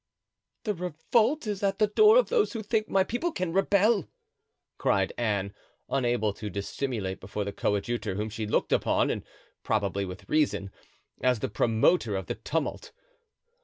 "The revolt is at the door of those who think my people can rebel," cried Anne, unable to dissimulate before the coadjutor, whom she looked upon, and probably with reason, as the promoter of the tumult.